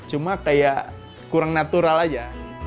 cuma kayak kurang natural aja